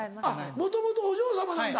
もともとお嬢様なんだ。